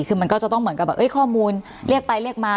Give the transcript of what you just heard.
คือมันก็จะต้องเหมือนกับแบบข้อมูลเรียกไปเรียกมา